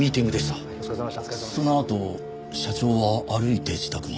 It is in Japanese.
そのあと社長は歩いて自宅に。